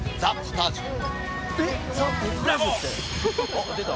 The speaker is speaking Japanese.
「おっ出た」